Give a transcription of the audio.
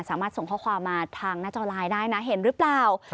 ส่งข้อความมาทางหน้าจอไลน์ได้นะเห็นหรือเปล่า